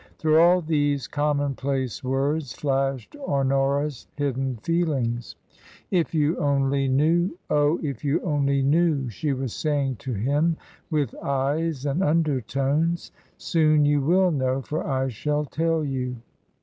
Through all these commonplace words flashed Ho nora's hidden feelings. " If you only knew ! Oh ! If you only knew !" she was saying to him with ty^^ and undertones. "Soon you will know, for I shall tell you."